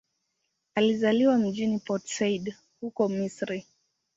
Alizaliwa mjini Port Said, huko Misri.